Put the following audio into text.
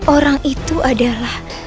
orang itu adalah